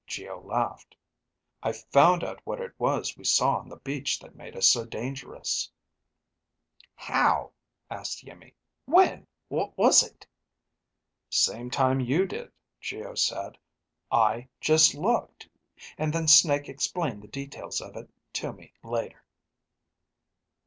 Geo laughed. "I found out what it was we saw on the beach that made us so dangerous." "How?" asked Iimmi. "When? What was it?" "Same time you did," Geo said. "I just looked. And then Snake explained the details of it to me later."